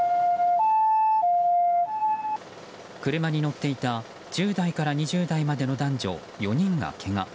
車に乗っていた１０代から２０代までの男女４人がけが。